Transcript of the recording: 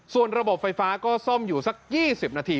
ส่วนระบบไฟฟ้าก็ซ่อมอยู่สัก๒๐นาที